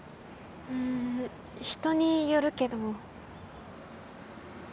んん人によるけど。